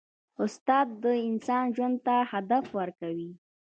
استاد د انسان ژوند ته هدف ورکوي.